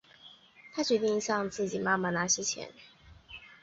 她决定向自己妈妈拿些钱